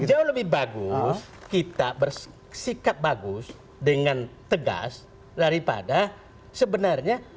jauh lebih bagus kita bersikap bagus dengan tegas daripada sebenarnya